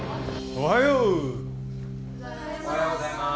おはようございまーす